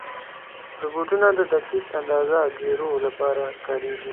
روبوټونه د دقیقو اندازهګیرو لپاره کارېږي.